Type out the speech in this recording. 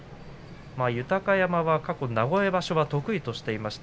豊山は過去、名古屋場所を得意としています。